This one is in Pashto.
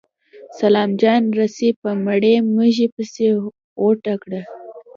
سلام جان رسۍ په مړې مږې پسې غوټه کړه.